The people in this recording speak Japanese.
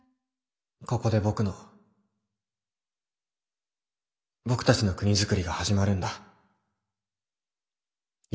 ここで僕の僕たちの国づくりが始まるんだユキ。